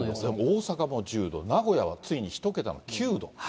大阪も１０度、名古屋はついに１桁の９度。